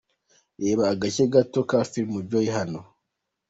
Reba agace gato ka film Joy hano :.